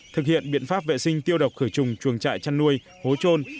thực hiện biện pháp vệ sinh tiêu độc khởi trùng chuồng trại chăn nuôi hố trôn